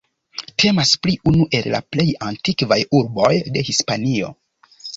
Temas pri unu el la plej antikvaj urboj de Hispanio.